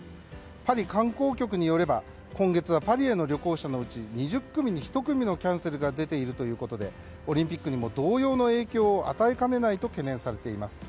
パリ観光局によれば今月はパリへの旅行者のうち２０組に１組のキャンセルが出ているということでオリンピックにも同様の影響を与えかねないと懸念されます。